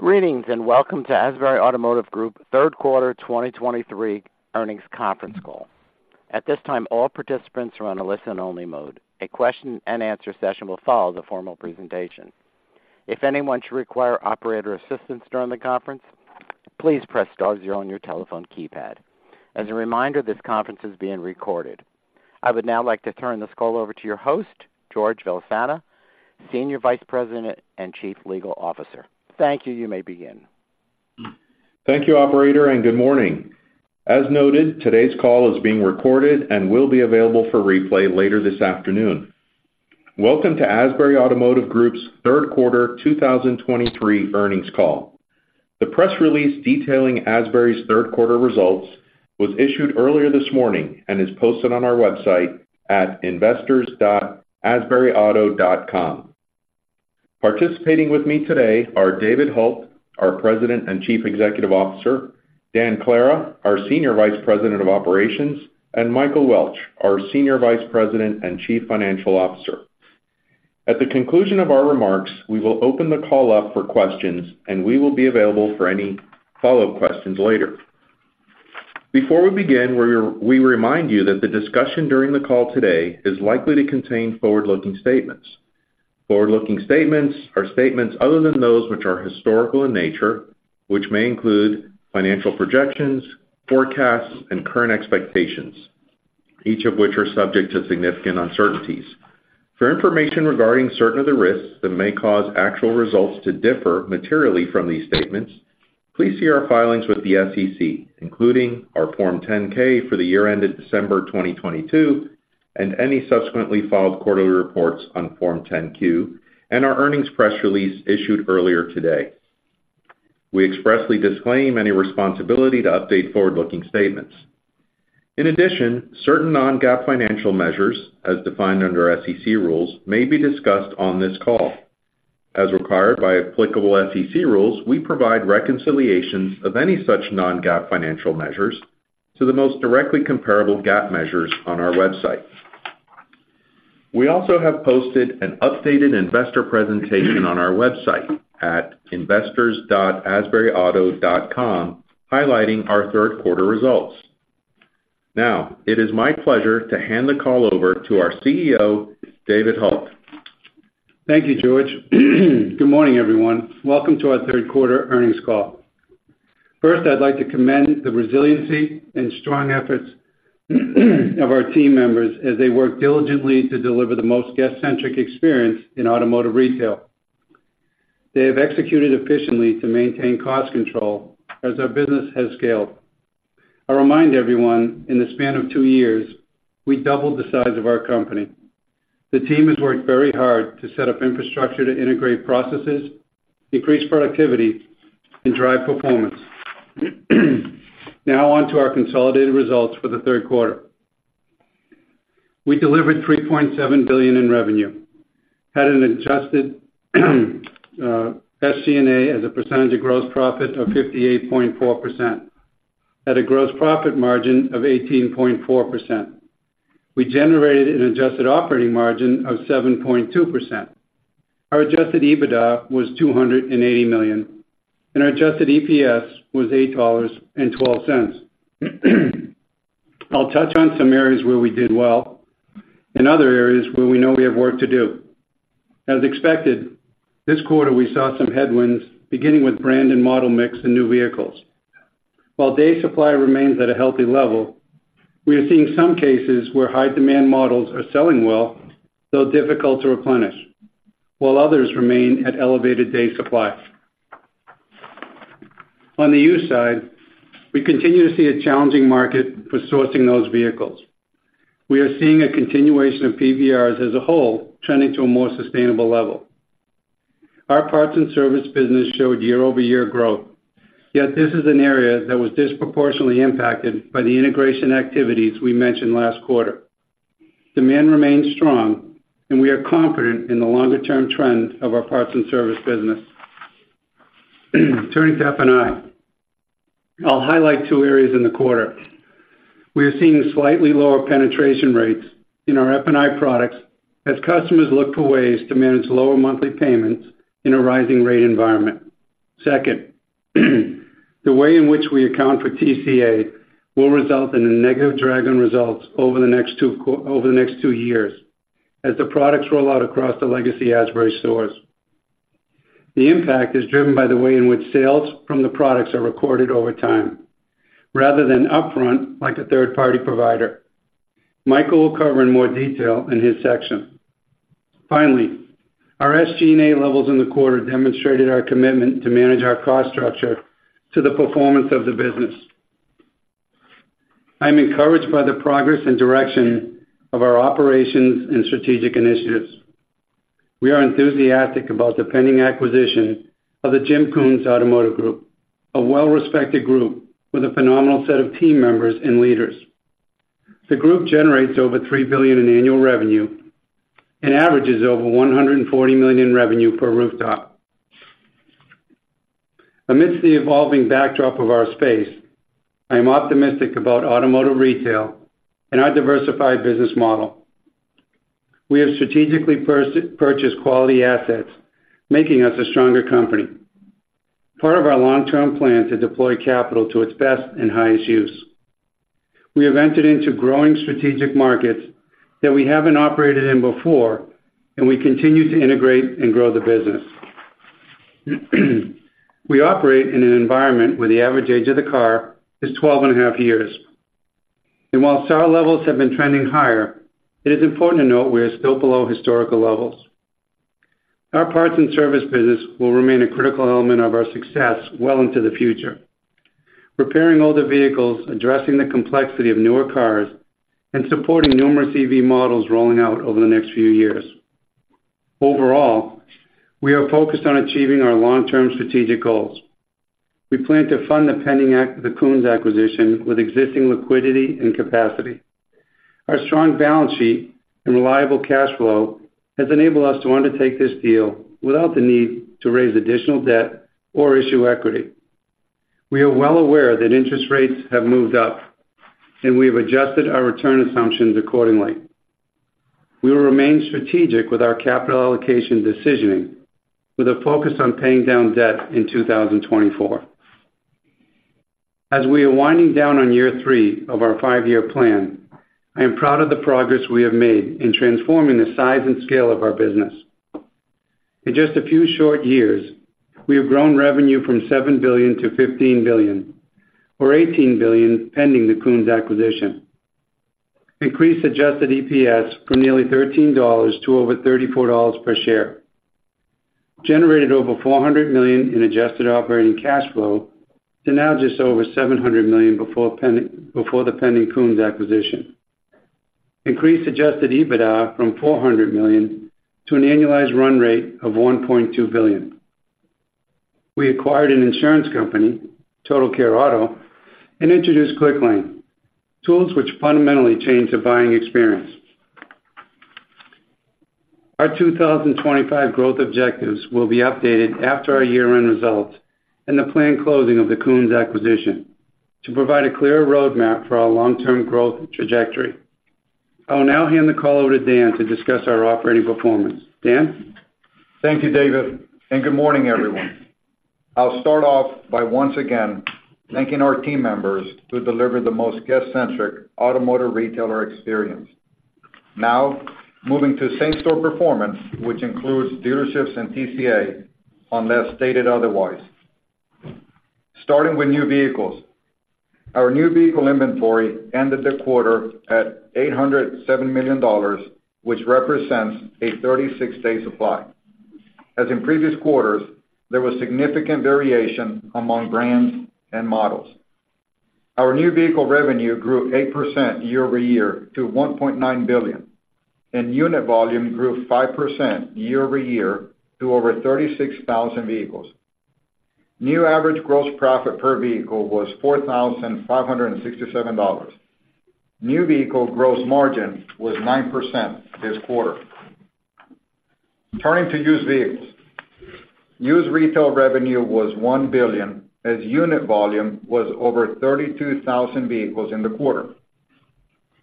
Greetings, and welcome to Asbury Automotive Group third quarter 2023 earnings conference call. At this time, all participants are on a listen-only mode. A question and answer session will follow the formal presentation. If anyone should require operator assistance during the conference, please press star zero on your telephone keypad. As a reminder, this conference is being recorded. I would now like to turn this call over to your host, George Villasana, Senior Vice President and Chief Legal Officer. Thank you. You may begin. Thank you, operator, and good morning. As noted, today's call is being recorded and will be available for replay later this afternoon. Welcome to Asbury Automotive Group's third quarter 2023 earnings call. The press release detailing Asbury's third quarter results was issued earlier this morning and is posted on our website at investors.asburyauto.com. Participating with me today are David Hult, our President and Chief Executive Officer, Dan Clara, our Senior Vice President of Operations, and Michael Welch, our Senior Vice President and Chief Financial Officer. At the conclusion of our remarks, we will open the call up for questions, and we will be available for any follow-up questions later. Before we begin, we remind you that the discussion during the call today is likely to contain forward-looking statements. Forward-looking statements are statements other than those which are historical in nature, which may include financial projections, forecasts, and current expectations, each of which are subject to significant uncertainties. For information regarding certain of the risks that may cause actual results to differ materially from these statements, please see our filings with the SEC, including our Form 10-K for the year ended December 2022, and any subsequently filed quarterly reports on Form 10-Q and our earnings press release issued earlier today. We expressly disclaim any responsibility to update forward-looking statements. In addition, certain non-GAAP financial measures, as defined under SEC rules, may be discussed on this call. As required by applicable SEC rules, we provide reconciliations of any such non-GAAP financial measures to the most directly comparable GAAP measures on our website. We also have posted an updated investor presentation on our website at investors.asburyauto.com, highlighting our third quarter results. Now, it is my pleasure to hand the call over to our CEO, David Hult. Thank you, George. Good morning, everyone. Welcome to our third quarter earnings call. First, I'd like to commend the resiliency and strong efforts of our team members as they work diligently to deliver the most guest-centric experience in automotive retail. They have executed efficiently to maintain cost control as our business has scaled. I remind everyone, in the span of two years, we doubled the size of our company. The team has worked very hard to set up infrastructure to integrate processes, increase productivity, and drive performance. Now, on to our consolidated results for the third quarter. We delivered $3.7 billion in revenue, had an adjusted SG&A as a percentage of gross profit of 58.4%, at a gross profit margin of 18.4%. We generated an adjusted operating margin of 7.2%. Our Adjusted EBITDA was $280 million, and our Adjusted EPS was $8.12. I'll touch on some areas where we did well and other areas where we know we have work to do. As expected, this quarter, we saw some headwinds, beginning with brand and model mix and new vehicles. While day supply remains at a healthy level, we are seeing some cases where high-demand models are selling well, though difficult to replenish, while others remain at elevated day supplies. On the used side, we continue to see a challenging market for sourcing those vehicles. We are seeing a continuation of PVRs as a whole trending to a more sustainable level. Our parts and service business showed year-over-year growth, yet this is an area that was disproportionately impacted by the integration activities we mentioned last quarter. Demand remains strong, and we are confident in the longer-term trend of our parts and service business. Turning to F&I, I'll highlight two areas in the quarter. We are seeing slightly lower penetration rates in our F&I products as customers look for ways to manage lower monthly payments in a rising rate environment. Second, the way in which we account for TCA will result in a negative drag on results over the next two years, as the products roll out across the legacy Asbury stores. The impact is driven by the way in which sales from the products are recorded over time, rather than upfront, like a third-party provider. Michael will cover in more detail in his section. Finally, our SG&A levels in the quarter demonstrated our commitment to manage our cost structure to the performance of the business. I'm encouraged by the progress and direction of our operations and strategic initiatives. We are enthusiastic about the pending acquisition of the Jim Koons Automotive Group, a well-respected group with a phenomenal set of team members and leaders. The group generates over $3 billion in annual revenue and averages over $140 million in revenue per rooftop. Amidst the evolving backdrop of our space, I am optimistic about automotive retail and our diversified business model. We have strategically purchased quality assets, making us a stronger company. Part of our long-term plan to deploy capital to its best and highest use. We have entered into growing strategic markets that we haven't operated in before, and we continue to integrate and grow the business. We operate in an environment where the average age of the car is 12.5 years. And while sale levels have been trending higher, it is important to note we are still below historical levels. Our parts and service business will remain a critical element of our success well into the future, repairing older vehicles, addressing the complexity of newer cars, and supporting numerous EV models rolling out over the next few years. Overall, we are focused on achieving our long-term strategic goals. We plan to fund the pending the Koons acquisition with existing liquidity and capacity. Our strong balance sheet and reliable cash flow has enabled us to undertake this deal without the need to raise additional debt or issue equity. We are well aware that interest rates have moved up, and we have adjusted our return assumptions accordingly. We will remain strategic with our capital allocation decisioning, with a focus on paying down debt in 2024. As we are winding down on year three of our five-year plan, I am proud of the progress we have made in transforming the size and scale of our business. In just a few short years, we have grown revenue from $7 billion-$15 billion, or $18 billion, pending the Koons acquisition. Increased Adjusted EPS from nearly $13 to over $34 per share, generated over $400 million in adjusted operating cash flow to now just over $700 million before pending, before the pending Koons acquisition. Increased Adjusted EBITDA from $400 million to an annualized run rate of $1.2 billion. We acquired an insurance company, Total Care Auto, and introduced Clicklane, tools which fundamentally change the buying experience. Our 2025 growth objectives will be updated after our year-end results and the planned closing of the Koons acquisition to provide a clearer roadmap for our long-term growth trajectory. I will now hand the call over to Dan to discuss our operating performance. Dan? Thank you, David, and good morning, everyone. I'll start off by once again thanking our team members who delivered the most guest-centric automotive retailer experience. Now, moving to same-store performance, which includes dealerships and TCA, unless stated otherwise. Starting with new vehicles. Our new vehicle inventory ended the quarter at $807 million, which represents a 36-day supply. As in previous quarters, there was significant variation among brands and models. Our new vehicle revenue grew 8% year-over-year to $1.9 billion, and unit volume grew 5% year-over-year to over 36,000 vehicles. New average gross profit per vehicle was $4,567. New vehicle gross margin was 9% this quarter. Turning to used vehicles. Used retail revenue was $1 billion, as unit volume was over 32,000 vehicles in the quarter.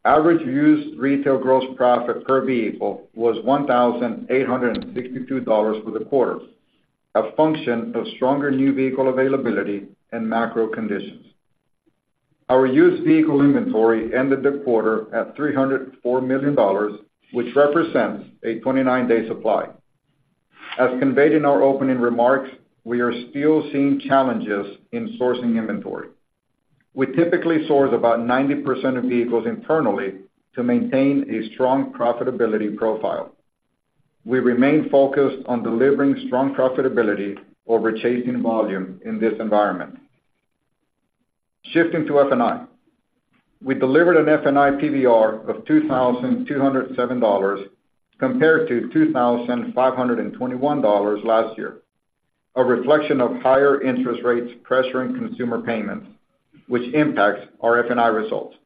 Average used retail gross profit per vehicle was $1,862 for the quarter, a function of stronger new vehicle availability and macro conditions. Our used vehicle inventory ended the quarter at $304 million, which represents a 29-day supply. As conveyed in our opening remarks, we are still seeing challenges in sourcing inventory. We typically source about 90% of vehicles internally to maintain a strong profitability profile. We remain focused on delivering strong profitability over chasing volume in this environment. Shifting to F&I. We delivered an F&I PVR of $2,207, compared to $2,521 last year, a reflection of higher interest rates pressuring consumer payments, which impacts our F&I results.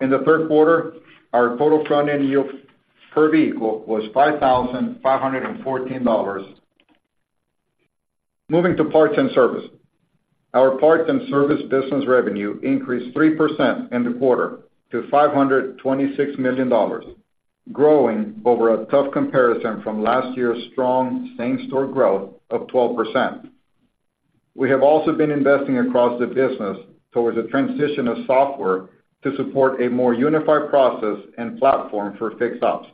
In the third quarter, our total front-end yield per vehicle was $5,514. Moving to parts and service. Our parts and service business revenue increased 3% in the quarter to $526 million, growing over a tough comparison from last year's strong same-store growth of 12%. We have also been investing across the business towards a transition of software to support a more unified process and platform for fixed ops,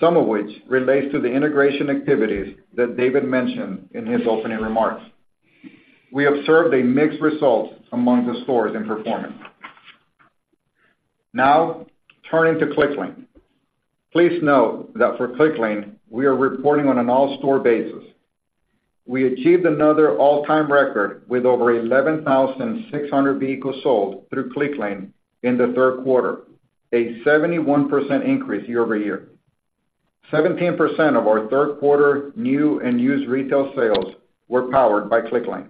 some of which relates to the integration activities that David mentioned in his opening remarks. We observed a mixed result among the stores and performance. Now, turning to Clicklane. Please note that for Clicklane, we are reporting on an all-store basis. We achieved another all-time record with over 11,600 vehicles sold through Clicklane in the third quarter, a 71% increase year-over-year. 17% of our third quarter new and used retail sales were powered by Clicklane.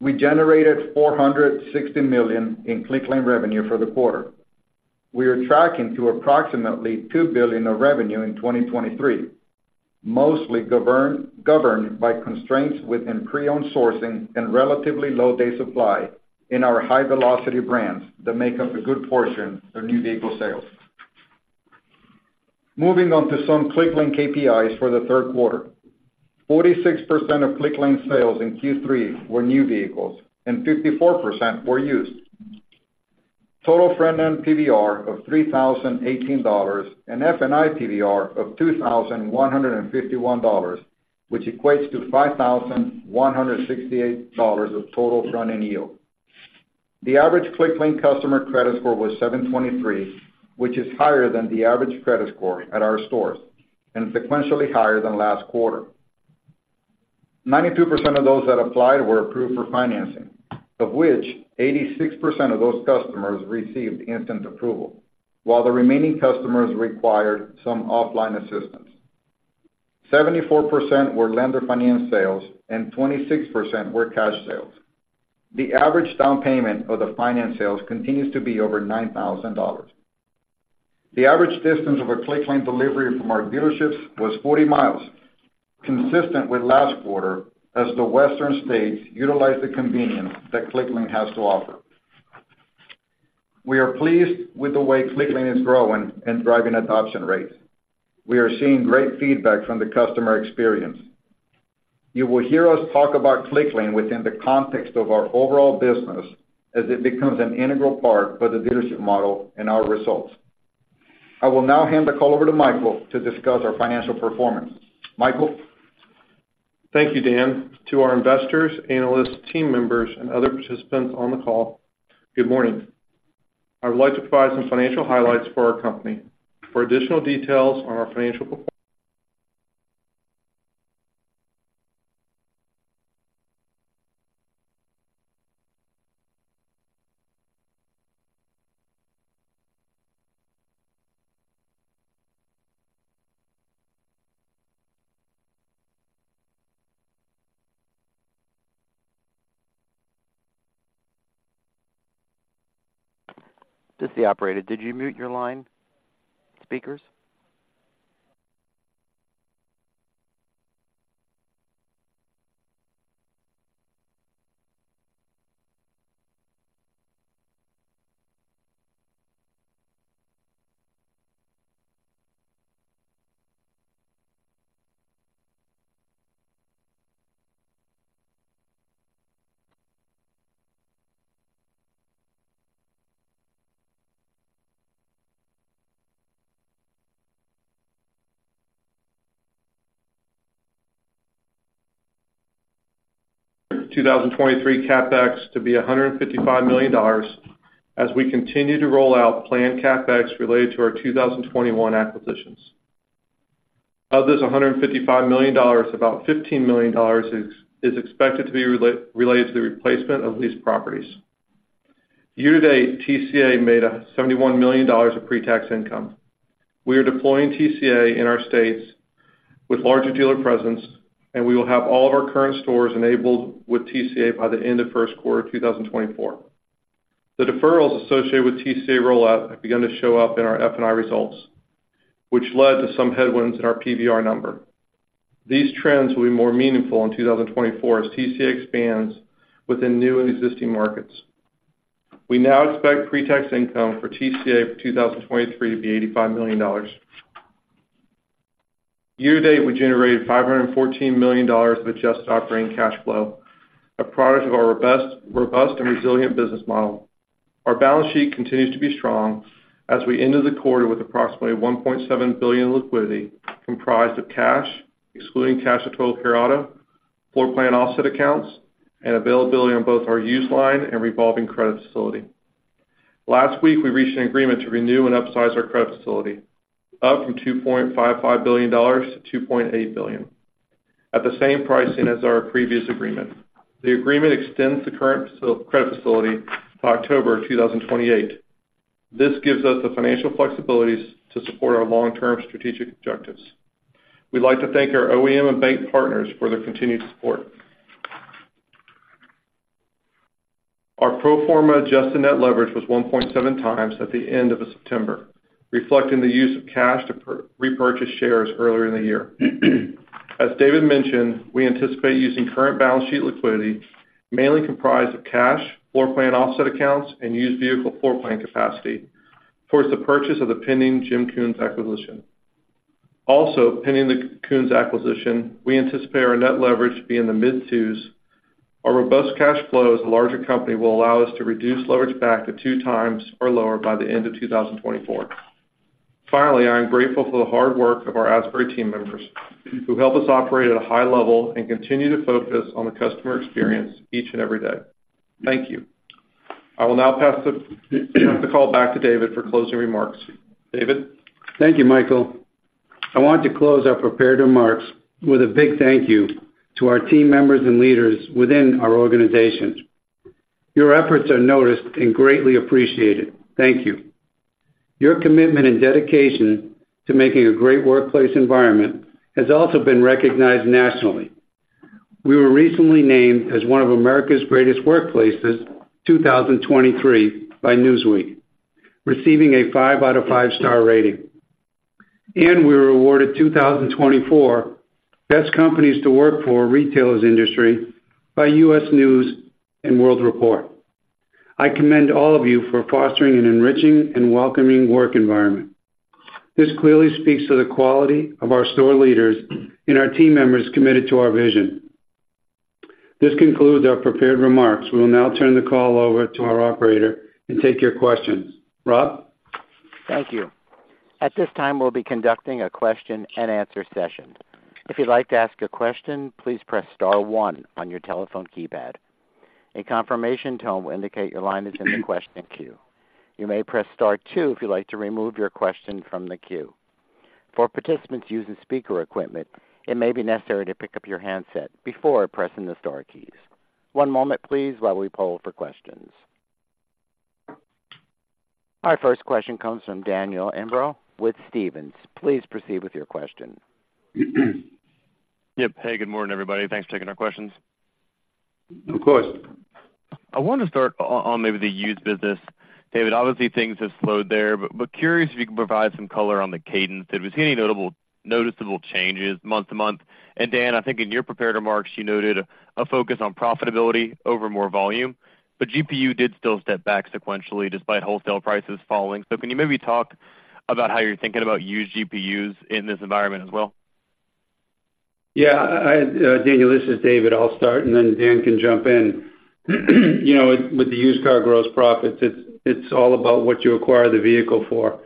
We generated $460 million in Clicklane revenue for the quarter. We are tracking to approximately $2 billion of revenue in 2023, mostly governed by constraints within pre-owned sourcing and relatively low day supply in our high-velocity brands that make up a good portion of new vehicle sales. Moving on to some Clicklane KPIs for the third quarter. 46% of Clicklane sales in Q3 were new vehicles, and 54% were used. Total front-end PVR of $3,018, and F&I PVR of $2,151, which equates to $5,168 of total front-end yield. The average Clicklane customer credit score was 723, which is higher than the average credit score at our stores, and sequentially higher than last quarter. 92% of those that applied were approved for financing, of which 86% of those customers received instant approval, while the remaining customers required some offline assistance. 74% were lender finance sales, and 26% were cash sales. The average down payment of the finance sales continues to be over $9,000. The average distance of a Clicklane delivery from our dealerships was 40 mi, consistent with last quarter, as the Western states utilized the convenience that Clicklane has to offer. We are pleased with the way Clicklane is growing and driving adoption rates. We are seeing great feedback from the customer experience. You will hear us talk about Clicklane within the context of our overall business as it becomes an integral part of the dealership model and our results. I will now hand the call over to Michael to discuss our financial performance. Michael? Thank you, Dan. To our investors, analysts, team members, and other participants on the call, good morning. I would like to provide some financial highlights for our company. For additional details on our financial performance. This is the operator. Did you mute your line speakers? 2023 CapEx to be $155 million, as we continue to roll out planned CapEx related to our 2021 acquisitions. Of this $155 million, about $15 million is expected to be related to the replacement of leased properties. Year-to-date, TCA made $71 million of pretax income. We are deploying TCA in our states with larger dealer presence, and we will have all of our current stores enabled with TCA by the end of first quarter 2024. The deferrals associated with TCA rollout have begun to show up in our F&I results, which led to some headwinds in our PVR number. These trends will be more meaningful in 2024 as TCA expands within new and existing markets. We now expect pretax income for TCA for 2023 to be $85 million. Year-to-date, we generated $514 million of adjusted operating cash flow, a product of our robust and resilient business model. Our balance sheet continues to be strong as we ended the quarter with approximately $1.7 billion in liquidity, comprised of cash, excluding cash to Total Care Auto, floorplan offset accounts, and availability on both our used line and revolving credit facility. Last week, we reached an agreement to renew and upsize our credit facility, up from $2.55 billion to $2.8 billion, at the same pricing as our previous agreement. The agreement extends the current credit facility to October 2028. This gives us the financial flexibilities to support our long-term strategic objectives. We'd like to thank our OEM and bank partners for their continued support. Our pro forma adjusted net leverage was 1.7x at the end of September, reflecting the use of cash to repurchase shares earlier in the year. As David mentioned, we anticipate using current balance sheet liquidity, mainly comprised of cash, floorplan offset accounts, and used vehicle floorplan capacity, towards the purchase of the pending Jim Koons acquisition. Also, pending the Koons acquisition, we anticipate our net leverage to be in the mid-2s. Our robust cash flow as a larger company will allow us to reduce leverage back to 2x or lower by the end of 2024. Finally, I am grateful for the hard work of our Asbury team members, who help us operate at a high level and continue to focus on the customer experience each and every day. Thank you. I will now pass the call back to David for closing remarks. David? Thank you, Michael. I want to close our prepared remarks with a big thank you to our team members and leaders within our organization. Your efforts are noticed and greatly appreciated. Thank you. Your commitment and dedication to making a great workplace environment has also been recognized nationally. We were recently named as one of America's Greatest Workplaces 2023 by Newsweek, receiving a 5 out of 5-star rating. We were awarded 2024 Best Companies to Work for Retailers Industry by U.S. News & World Report. I commend all of you for fostering an enriching and welcoming work environment. This clearly speaks to the quality of our store leaders and our team members committed to our vision. This concludes our prepared remarks. We will now turn the call over to our operator and take your questions. Rob? Thank you. At this time, we'll be conducting a question-and-answer session. If you'd like to ask a question, please press star one on your telephone keypad. A confirmation tone will indicate your line is in the question queue. You may press star two if you'd like to remove your question from the queue. For participants using speaker equipment, it may be necessary to pick up your handset before pressing the star keys. One moment please, while we poll for questions. Our first question comes from Daniel Imbro with Stephens. Please proceed with your question. Yep. Hey, good morning, everybody. Thanks for taking our questions. Of course. I want to start on, on maybe the used business. David, obviously, things have slowed there, but, but curious if you can provide some color on the cadence. Did we see any notable, noticeable changes month to month? And Dan, I think in your prepared remarks, you noted a focus on profitability over more volume, but GPU did still step back sequentially, despite wholesale prices falling. So can you maybe talk about how you're thinking about used GPUs in this environment as well? Yeah, Daniel, this is David. I'll start, and then Dan can jump in. You know, with the used car gross profits, it's all about what you acquire the vehicle for.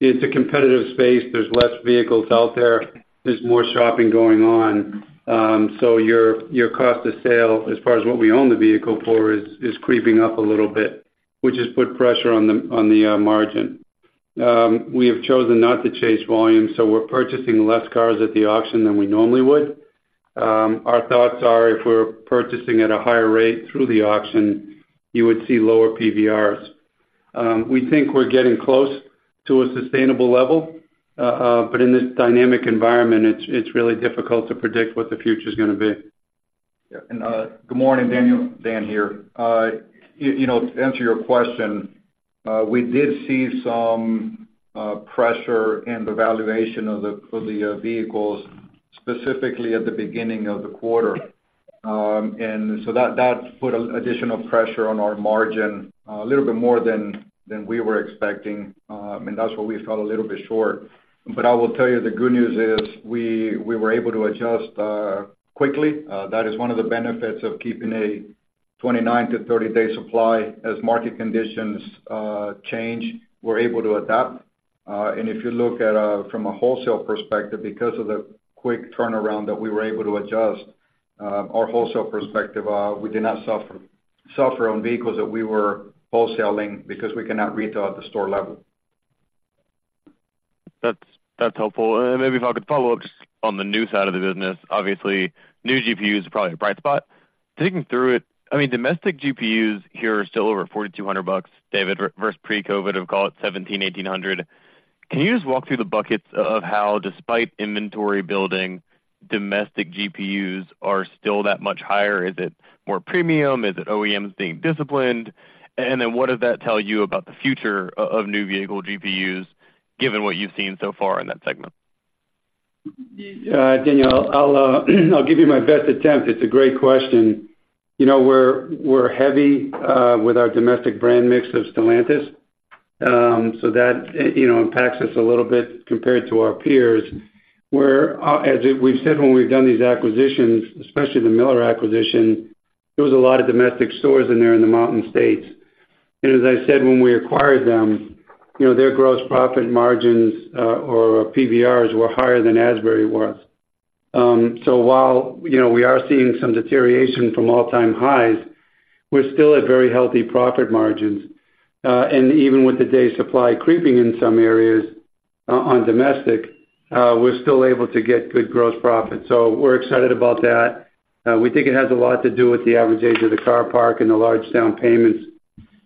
It's a competitive space. There's less vehicles out there. There's more shopping going on. So your cost of sale, as far as what we own the vehicle for, is creeping up a little bit, which has put pressure on the margin. We have chosen not to chase volume, so we're purchasing less cars at the auction than we normally would. Our thoughts are if we're purchasing at a higher rate through the auction, you would see lower PVRs. We think we're getting close to a sustainable level, but in this dynamic environment, it's really difficult to predict what the future's gonna be. Yeah, and good morning, Daniel. Dan here. You know, to answer your question, we did see some pressure in the valuation of the vehicles, specifically at the beginning of the quarter. And so that put an additional pressure on our margin, a little bit more than we were expecting, and that's what we fell a little bit short. But I will tell you the good news is, we were able to adjust quickly. That is one of the benefits of keeping a 29- to 30-day supply. As market conditions change, we're able to adapt. And if you look at from a wholesale perspective, because of the quick turnaround that we were able to adjust our wholesale perspective, we did not suffer on vehicles that we were wholesaling because we cannot retail at the store level. That's, that's helpful. Maybe if I could follow up just on the new side of the business. Obviously, new GPUs are probably a bright spot. Thinking through it, I mean, domestic GPUs here are still over $4,200, David, versus pre-COVID, of, call it 1,700-1,800. Can you just walk through the buckets of how, despite inventory building, domestic GPUs are still that much higher? Is it more premium? Is it OEMs being disciplined? And then what does that tell you about the future of new vehicle GPUs, given what you've seen so far in that segment? Daniel, I'll give you my best attempt. It's a great question. You know, we're heavy with our domestic brand mix of Stellantis, so that, you know, impacts us a little bit compared to our peers. Where, as we've said, when we've done these acquisitions, especially the Miller acquisition, there was a lot of domestic stores in there in the Mountain States. And as I said, when we acquired them, you know, their gross profit margins, or PVRs, were higher than Asbury was. So while, you know, we are seeing some deterioration from all-time highs, we're still at very healthy profit margins. And even with the day supply creeping in some areas on domestic, we're still able to get good gross profit. So we're excited about that. We think it has a lot to do with the average age of the car park and the large down payments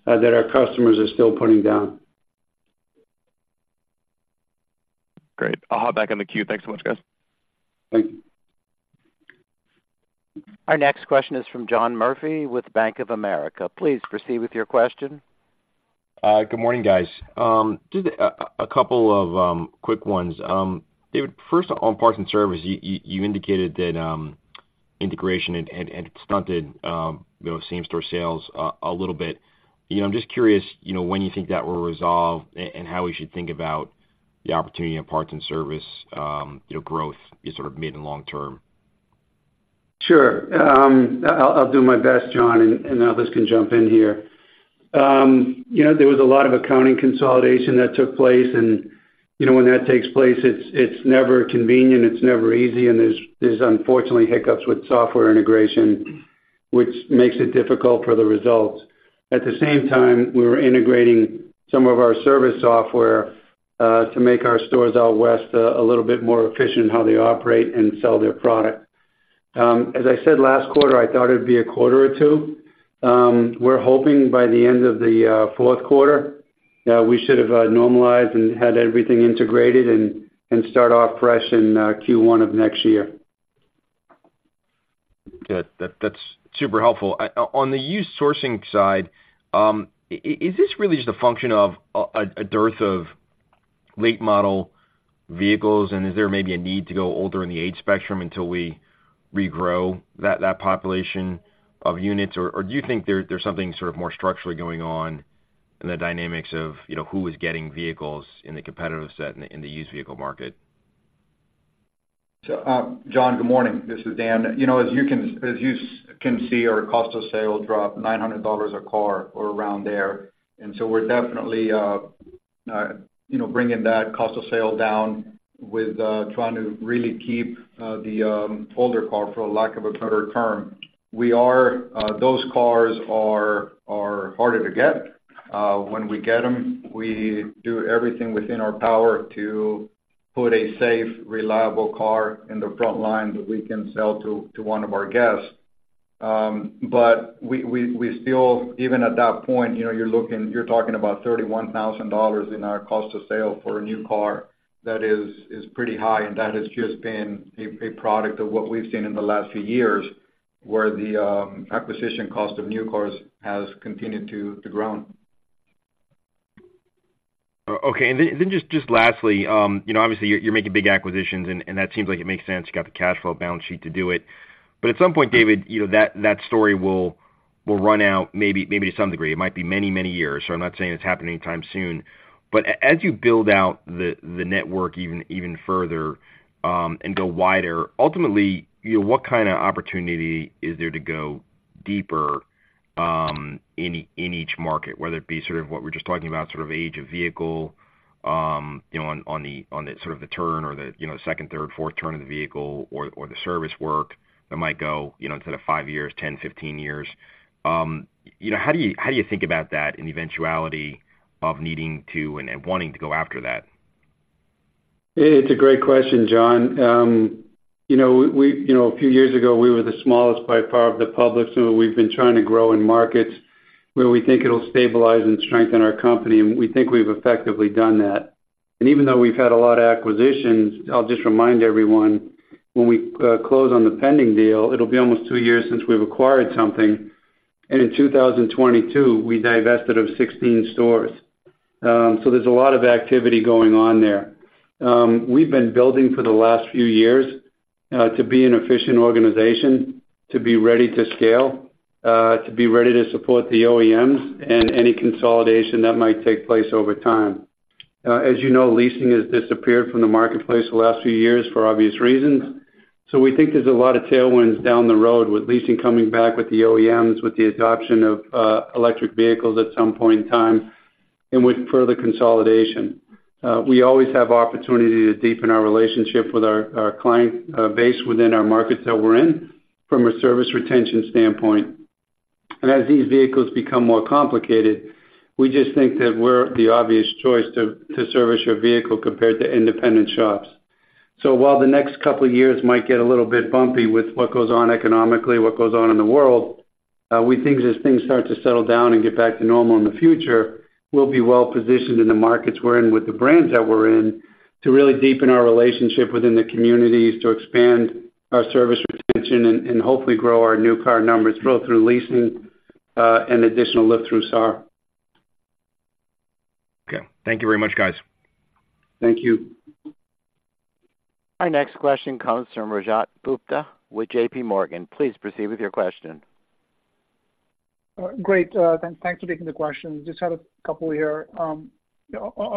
that our customers are still putting down. Great. I'll hop back on the queue. Thanks so much, guys. Thank you. Our next question is from John Murphy with Bank of America. Please proceed with your question. Good morning, guys. Just a couple of quick ones. David, first on parts and service, you indicated that integration had stunted those same store sales a little bit. You know, I'm just curious, you know, when you think that will resolve and how we should think about the opportunity in parts and service, you know, growth is sort of mid- and long-term. Sure. I'll, I'll do my best, John, and, and others can jump in here. You know, there was a lot of accounting consolidation that took place, and, you know, when that takes place, it's, it's never convenient, it's never easy, and there's, there's unfortunately, hiccups with software integration, which makes it difficult for the results. At the same time, we were integrating some of our service software, to make our stores out west, a little bit more efficient in how they operate and sell their product. As I said, last quarter, I thought it'd be a quarter or two. We're hoping by the end of the, fourth quarter. Yeah, we should have, normalized and had everything integrated and, and start off fresh in, Q1 of next year. Good. That, that's super helpful. On the used sourcing side, is this really just a function of a dearth of late model vehicles? And is there maybe a need to go older in the age spectrum until we regrow that population of units? Or do you think there's something sort of more structurally going on in the dynamics of, you know, who is getting vehicles in the competitive set in the used vehicle market? So, John, good morning. This is Dan. You know, as you can see, our cost of sale dropped $900 a car or around there. And so we're definitely, you know, bringing that cost of sale down with trying to really keep the older car, for lack of a better term. We are. Those cars are harder to get. When we get them, we do everything within our power to put a safe, reliable car in the front line that we can sell to one of our guests. But we still, even at that point, you know, you're looking. You're talking about $31,000 in our cost of sale for a new car. That is pretty high, and that has just been a product of what we've seen in the last few years, where the acquisition cost of new cars has continued to grow. Okay. And then just lastly, you know, obviously, you're making big acquisitions, and that seems like it makes sense. You got the cash flow balance sheet to do it. But at some point, David, you know, that story will run out, maybe to some degree. It might be many years, so I'm not saying it's happening anytime soon. But as you build out the network even further, and go wider, ultimately, you know, what kind of opportunity is there to go deeper in each market? Whether it be sort of what we're just talking about, sort of age of vehicle, you know, on the sort of the turn or the, you know, second, third, fourth turn of the vehicle or the service work that might go, you know, instead of 5 years, 10, 15 years. You know, how do you, how do you think about that and the eventuality of needing to and wanting to go after that? It's a great question, John. You know, a few years ago, we were the smallest by far of the public, so we've been trying to grow in markets where we think it'll stabilize and strengthen our company, and we think we've effectively done that. Even though we've had a lot of acquisitions, I'll just remind everyone, when we close on the pending deal, it'll be almost two years since we've acquired something. In 2022, we divested of 16 stores. So there's a lot of activity going on there. We've been building for the last few years, to be an efficient organization, to be ready to scale, to be ready to support the OEMs and any consolidation that might take place over time. As you know, leasing has disappeared from the marketplace the last few years for obvious reasons. So we think there's a lot of tailwinds down the road with leasing coming back with the OEMs, with the adoption of electric vehicles at some point in time, and with further consolidation. We always have opportunity to deepen our relationship with our client base within our markets that we're in from a service retention standpoint. And as these vehicles become more complicated, we just think that we're the obvious choice to service your vehicle compared to independent shops. So while the next couple of years might get a little bit bumpy with what goes on economically, what goes on in the world. We think as things start to settle down and get back to normal in the future, we'll be well positioned in the markets we're in, with the brands that we're in, to really deepen our relationship within the communities, to expand our service retention, and hopefully grow our new car numbers, both through leasing, and additional lift through SAAR. Okay. Thank you very much, guys. Thank you. Our next question comes from Rajat Gupta with JPMorgan. Please proceed with your question. Great. Thanks for taking the question. Just had a couple here. On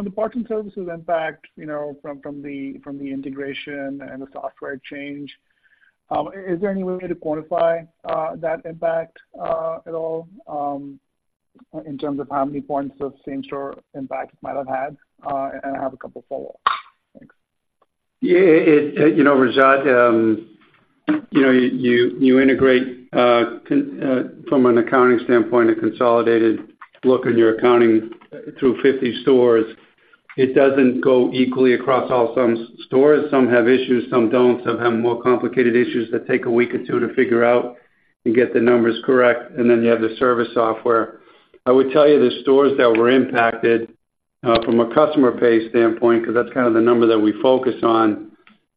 the parts and services impact, you know, from the integration and the software change, is there any way to quantify that impact at all, in terms of how many points of same-store impact it might have had? And I have a couple follow-ups. Thanks. Yeah, it, you know, Rajat, you know, you integrate from an accounting standpoint a consolidated look in your accounting through 50 stores. It doesn't go equally across all some stores. Some have issues, some don't. Some have more complicated issues that take a week or two to figure out and get the numbers correct. And then you have the service software. I would tell you the stores that were impacted from a customer pay standpoint, because that's kind of the number that we focus on,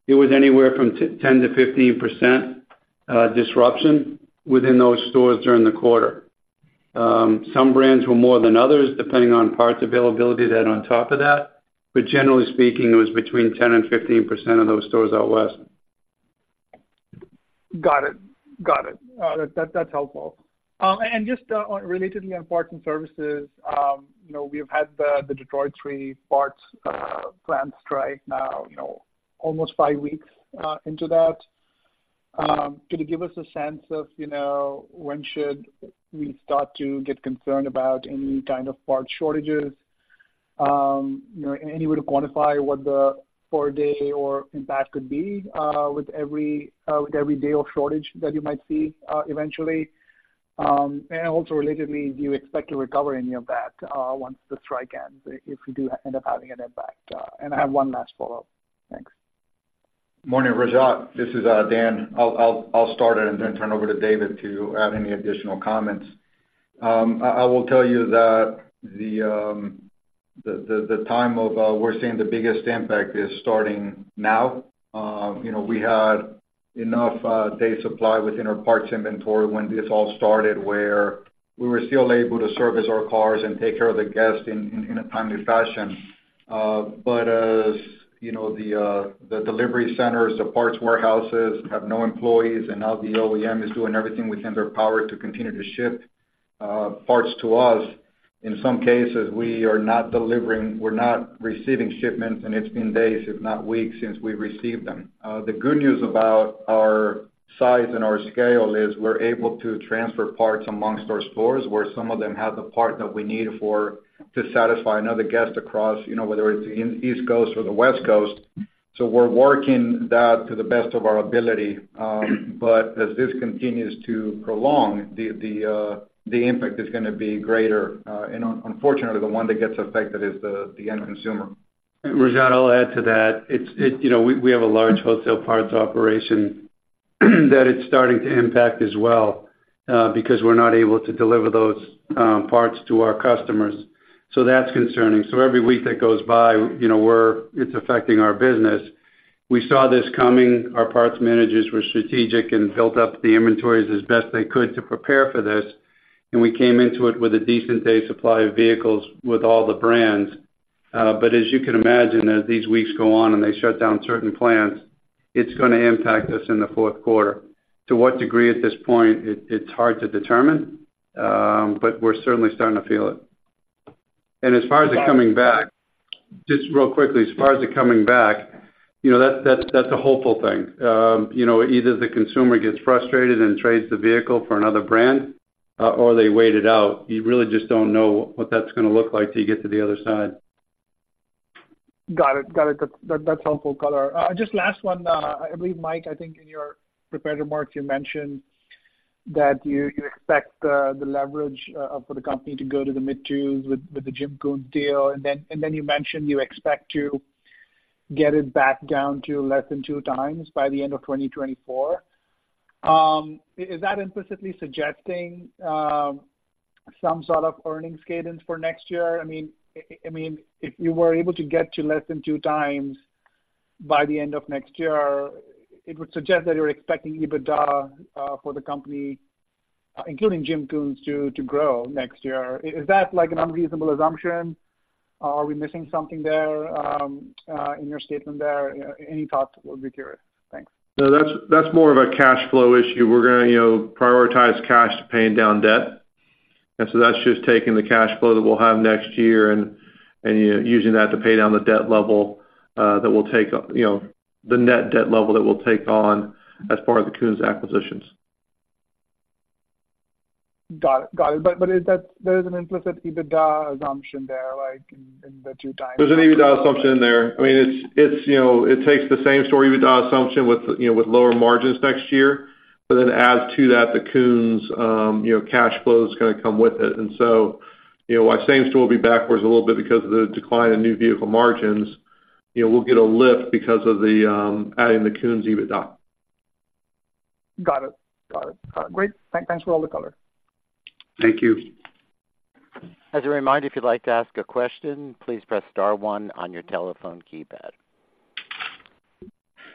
it was anywhere from 10%-15% disruption within those stores during the quarter. Some brands were more than others, depending on parts availability that on top of that, but generally speaking, it was between 10% and 15% of those stores out West. Got it. Got it. That's helpful. And just relatedly on parts and services, you know, we've had the, the Detroit Three parts plant strike now, you know, almost five weeks into that. Can you give us a sense of, you know, when should we start to get concerned about any kind of part shortages? You know, any way to quantify what the per-day or impact could be, with every, with every day of shortage that you might see, eventually? And also relatedly, do you expect to recover any of that, once the strike ends, if you do end up having an impact? And I have one last follow-up. Thanks. Morning, Rajat. This is Dan. I'll start and then turn over to David to add any additional comments. I will tell you that the time that we're seeing the biggest impact is starting now. You know, we had enough day supply within our parts inventory when this all started, where we were still able to service our cars and take care of the guests in a timely fashion. But as you know, the delivery centers, the parts warehouses have no employees, and now the OEM is doing everything within their power to continue to ship parts to us. In some cases, we are not delivering, we're not receiving shipments, and it's been days, if not weeks, since we received them. The good news about our size and our scale is we're able to transfer parts amongst our stores, where some of them have the part that we need for, to satisfy another guest across, you know, whether it's in East Coast or the West Coast. So we're working that to the best of our ability. But as this continues to prolong, the impact is gonna be greater. And unfortunately, the one that gets affected is the end consumer. Rajat, I'll add to that. It's, you know, we have a large wholesale parts operation, that it's starting to impact as well, because we're not able to deliver those parts to our customers. So that's concerning. So every week that goes by, you know, it's affecting our business. We saw this coming. Our parts managers were strategic and built up the inventories as best they could to prepare for this, and we came into it with a decent day supply of vehicles with all the brands. But as you can imagine, as these weeks go on and they shut down certain plants, it's gonna impact us in the fourth quarter. To what degree at this point, it's hard to determine, but we're certainly starting to feel it. As far as it coming back, just real quickly, as far as it coming back, you know, that, that's, that's a hopeful thing. You know, either the consumer gets frustrated and trades the vehicle for another brand, or they wait it out. You really just don't know what that's gonna look like till you get to the other side. Got it. Got it. That, that's helpful color. Just last one. I believe, Mike, I think in your prepared remarks, you mentioned that you, you expect, the leverage, for the company to go to the mid-twos with, with the Jim Koons deal. And then, and then you mentioned you expect to get it back down to less than 2x by the end of 2024. Is that implicitly suggesting, some sort of earnings cadence for next year? I mean, I mean, if you were able to get to less than 2x by the end of next year, it would suggest that you're expecting EBITDA, for the company, including Jim Koons, to, to grow next year. Is that, like, an unreasonable assumption? Are we missing something there, in your statement there? Any, any thoughts? We'll be curious. Thanks. No, that's, that's more of a cash flow issue. We're gonna, you know, prioritize cash to paying down debt. And so that's just taking the cash flow that we'll have next year and, and, you know, using that to pay down the debt level that we'll take, you know, the net debt level that we'll take on as far as the Koons acquisitions. Got it. But, is that there is an implicit EBITDA assumption there, like, in the 2x? There's an EBITDA assumption in there. I mean, it's you know, it takes the same story EBITDA assumption with, you know, with lower margins next year, but then adds to that, the Koons you know, cash flow is gonna come with it. And so, you know, while same store will be backwards a little bit because of the decline in new vehicle margins, you know, we'll get a lift because of the adding the Koons EBITDA. Got it. Got it. Great. Thanks for all the color. Thank you. As a reminder, if you'd like to ask a question, please press star one on your telephone keypad.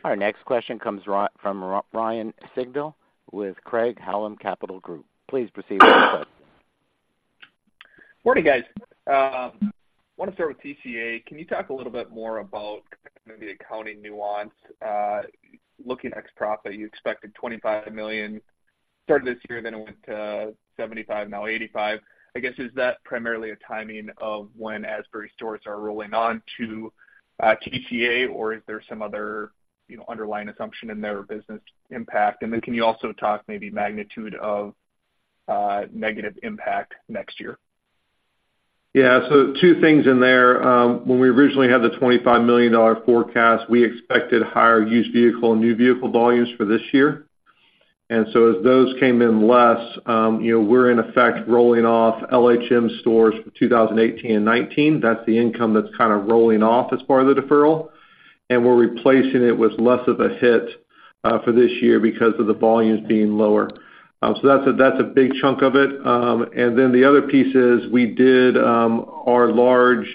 Our next question comes from Ryan Sigdahl with Craig-Hallum Capital Group. Please proceed with your question. Good morning, guys. I want to start with TCA. Can you talk a little bit more about maybe the accounting nuance? Looking ex profit, you expected $25 million start of this year, then it went to $75 million, now $85 million. I guess, is that primarily a timing of when Asbury stores are rolling on to TCA, or is there some other, you know, underlying assumption in their business impact? And then can you also talk maybe magnitude of negative impact next year? Yeah, so two things in there. When we originally had the $25 million forecast, we expected higher used vehicle and new vehicle volumes for this year. And so as those came in less, you know, we're in effect rolling off LHM stores for 2018 and 2019. That's the income that's kind of rolling off as part of the deferral, and we're replacing it with less of a hit for this year because of the volumes being lower. So that's a big chunk of it. And then the other piece is, we did our large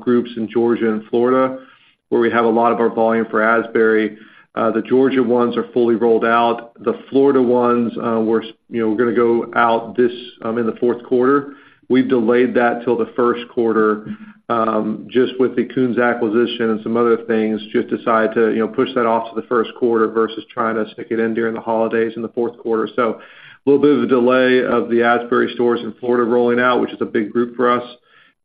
groups in Georgia and Florida, where we have a lot of our volume for Asbury. The Georgia ones are fully rolled out. The Florida ones, we're, you know, were gonna go out this in the fourth quarter. We've delayed that till the first quarter, just with the Koons acquisition and some other things, just decide to, you know, push that off to the first quarter versus trying to stick it in during the holidays in the fourth quarter. So a little bit of a delay of the Asbury stores in Florida rolling out, which is a big group for us,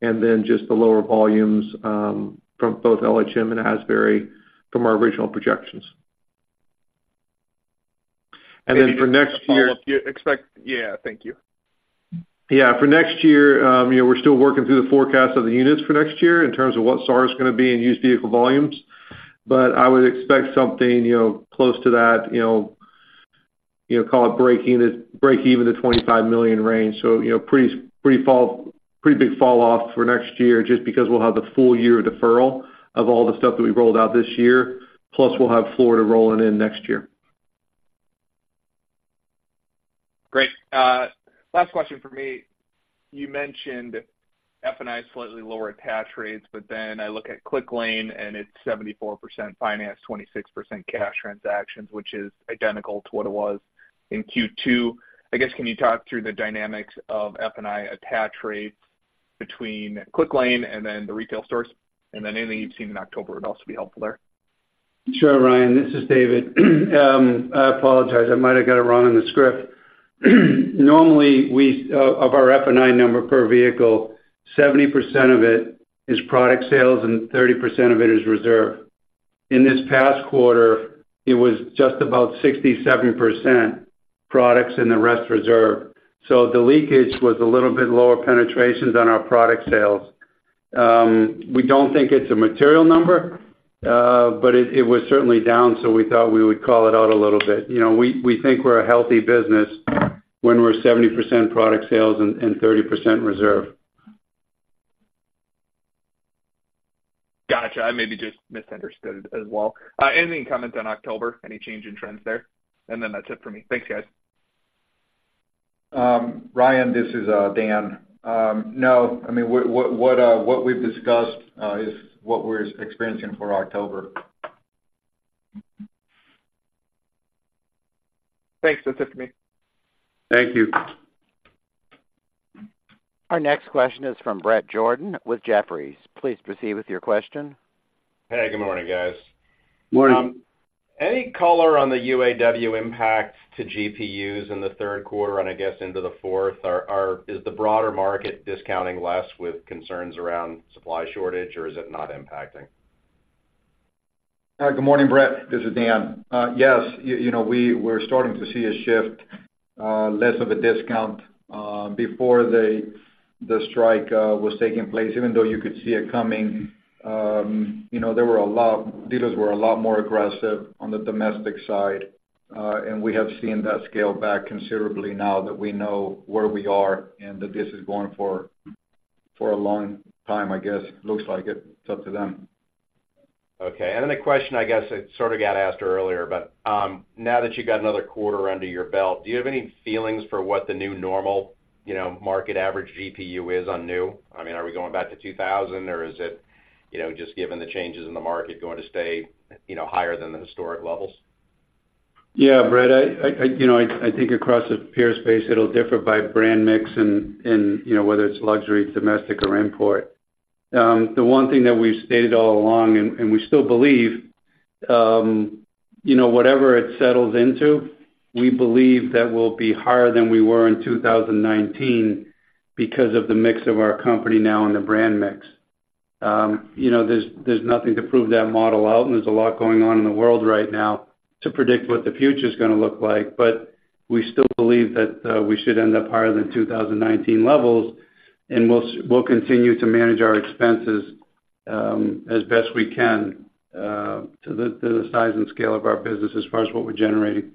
and then just the lower volumes from both LHM and Asbury from our original projections. And then for next year- Follow up, you expect. Yeah, thank you. Yeah, for next year, you know, we're still working through the forecast of the units for next year in terms of what SAAR is gonna be and used vehicle volumes. But I would expect something, you know, close to that, you know, you know, call it breaking it, break even the $25 million range. So, you know, pretty big fall off for next year, just because we'll have the full year deferral of all the stuff that we rolled out this year, plus we'll have Florida rolling in next year. Great. Last question for me. You mentioned F&I slightly lower attach rates, but then I look at Clicklane, and it's 74% finance, 26% cash transactions, which is identical to what it was in Q2. I guess, can you talk through the dynamics of F&I attach rates between Clicklane and then the retail stores? And then anything you've seen in October would also be helpful there? Sure, Ryan, this is David. I apologize, I might have got it wrong in the script. Normally, we of our F&I number per vehicle, 70% of it is product sales, and 30% of it is reserve. In this past quarter, it was just about 67% products and the rest reserve. So the leakage was a little bit lower penetrations on our product sales. We don't think it's a material number, but it was certainly down, so we thought we would call it out a little bit. You know, we think we're a healthy business when we're 70% product sales and 30% reserve. Gotcha. I maybe just misunderstood as well. Any comments on October? Any change in trends there? And then that's it for me. Thanks, guys. Ryan, this is Dan. No, I mean, what we've discussed is what we're experiencing for October. Thanks. That's it for me. Thank you. Our next question is from Bret Jordan with Jefferies. Please proceed with your question. Hey, good morning, guys. Morning. Any color on the UAW impact to GPUs in the third quarter, and I guess into the fourth? Is the broader market discounting less with concerns around supply shortage, or is it not impacting? Good morning, Bret. This is Dan. Yes, you know, we're starting to see a shift, less of a discount. Before the strike was taking place, even though you could see it coming, you know, dealers were a lot more aggressive on the domestic side, and we have seen that scale back considerably now that we know where we are and that this is going for a long time, I guess. Looks like it. It's up to them. Okay, and then a question, I guess, it sort of got asked earlier, but now that you've got another quarter under your belt, do you have any feelings for what the new normal, you know, market average GPU is on new? I mean, are we going back to 2000, or is it, you know, just given the changes in the market, going to stay, you know, higher than the historic levels? Yeah, Bret, you know, I think across the peer space, it'll differ by brand mix and, you know, whether it's luxury, domestic or import. The one thing that we've stated all along, and we still believe, you know, whatever it settles into, we believe that we'll be higher than we were in 2019 because of the mix of our company now and the brand mix. You know, there's nothing to prove that model out, and there's a lot going on in the world right now to predict what the future is going to look like. But we still believe that we should end up higher than 2019 levels, and we'll continue to manage our expenses as best we can to the size and scale of our business as far as what we're generating.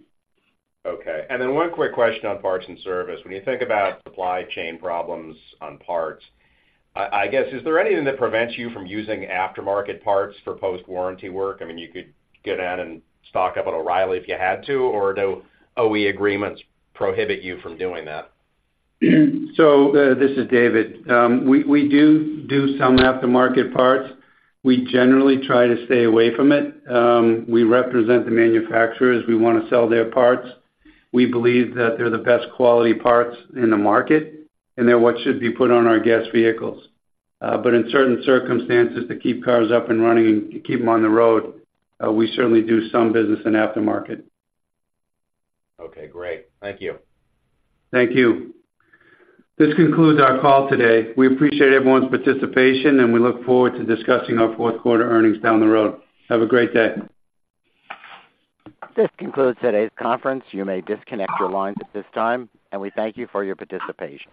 Okay. Then one quick question on parts and service. When you think about supply chain problems on parts, I, I guess, is there anything that prevents you from using aftermarket parts for post-warranty work? I mean, you could get out and stock up at O'Reilly if you had to, or do OE agreements prohibit you from doing that? So this is David. We do some aftermarket parts. We generally try to stay away from it. We represent the manufacturers. We want to sell their parts. We believe that they're the best quality parts in the market, and they're what should be put on our guest vehicles. But in certain circumstances, to keep cars up and running and to keep them on the road, we certainly do some business in aftermarket. Okay, great. Thank you. Thank you. This concludes our call today. We appreciate everyone's participation, and we look forward to discussing our fourth quarter earnings down the road. Have a great day. This concludes today's conference. You may disconnect your lines at this time, and we thank you for your participation.